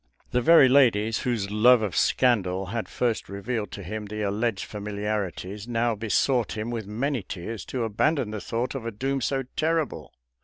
The very ladies whose love of scandal had first revealed to him the alleged familiarities, now besought him with many tears to abandon the thought of a doom so terrible.